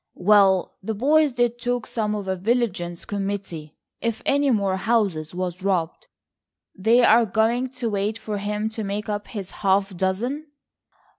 "Well, the boys did talk some of a vigilance committee, if any more houses was robbed." "They are going to wait for him to make up his half dozen."